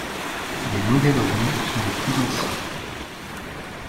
Les modèles ronds sont les plus anciens.